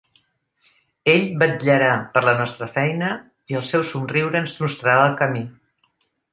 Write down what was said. Ell vetllarà per la nostra feina, i el seu somriure ens mostrarà el camí.